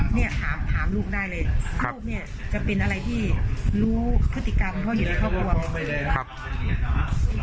เนี่ยถามลูกได้เลยลูกเนี่ยจะเป็นอะไรที่รู้พฤติกรรมเขาอยู่ในครอบครัว